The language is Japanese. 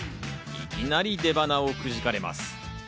いきなり出鼻をくじかれます。